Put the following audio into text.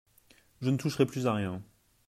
Je ne toucherai plus à rien.